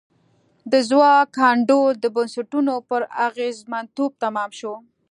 د ځواک انډول د بنسټونو پر اغېزمنتوب تمام شو.